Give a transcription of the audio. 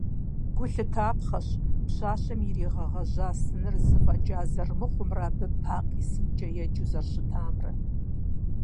Гу лъытапхъэщ, пщащэм иригъэгъэжа сыныр зы фӏэкӏа зэрымыхъумрэ абы «Пакъ и сынкӏэ» еджэу зэрыщытамрэ.